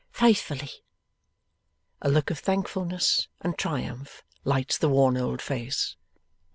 Faithfully.' A look of thankfulness and triumph lights the worn old face.